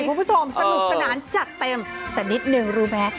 คุณผู้ชมสนุกสนานจัดเต็มแต่นิดนึงรู้ไหม